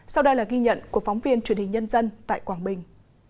sau đây là ghi nhận của phóng viên truyền hình nhân dân tại quảng bình